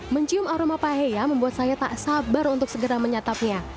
mencium aroma paheya membuat saya tak sabar untuk segera menyatapnya